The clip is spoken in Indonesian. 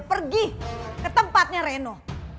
pergi ke tempatnya reno